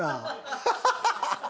ハハハハ！